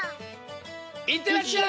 いってらっしゃい！